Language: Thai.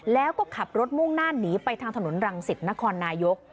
แล้วก็ขับรถมุ่งหน้าหนีไปทางถนนรังสิตนครนายก